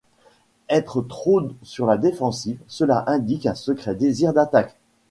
Être trop sur la défensive, cela indique un secret désir d’attaque.